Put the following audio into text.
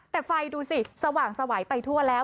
แต่ไฟดูสิสว่างสวัยไปทั่วแล้ว